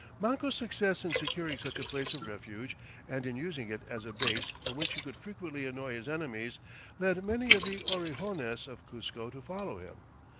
Manco's success in securing such a place of refuge, and in using it as a base from which he could frequently annoy his enemies, led many of the Orejones of Cuzco to follow him.